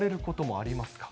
あります。